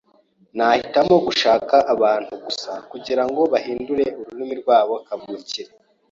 Nahitamo gushaka abantu gusa kugirango bahindure mururimi rwabo kavukire.